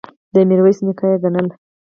د میرویس نیکه یې ګڼله.